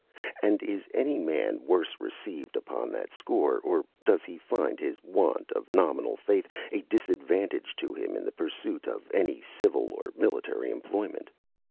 And is any man worse received upon that score, or does he find his want of nominal faith a disadvantage to him in the pursuit of any civil or military employment?